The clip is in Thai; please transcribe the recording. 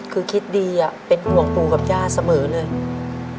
คือคิดดีอ่ะเป็นห่วงปู่กับย่าเสมอเลย